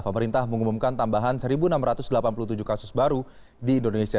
pemerintah mengumumkan tambahan satu enam ratus delapan puluh tujuh kasus baru di indonesia